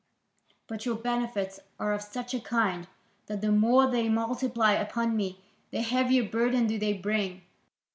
But your benefits are of such a kind that the more they multiply upon me, the heavier burden do they bring.